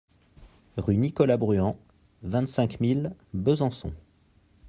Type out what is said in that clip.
Rue Nicolas Bruand, vingt-cinq mille Besançon